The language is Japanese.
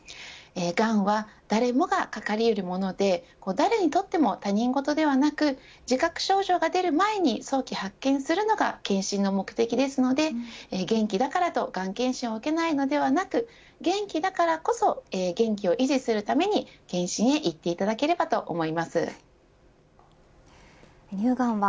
がんは誰もがかかりうるもので誰にとっても他人事ではなく自覚症状が出る前に早期発見するのが検診の目的なので元気だからとがん検診を受けないのではなく元気だからこそ元気を維持するために検診へ行っていただければ乳がんは